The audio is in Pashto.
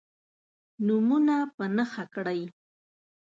نومونه په نښه کړئ.